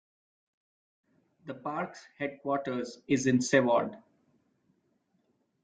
The park's headquarters is in Seward.